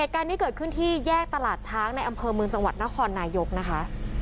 การนี้เกิดขึ้นที่แยกตลาดช้างในอำเภอเมืองจังหวัดนครนายกนะคะ